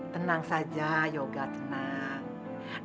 tenang saja yoga tenang